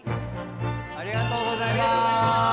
ありがとうございます！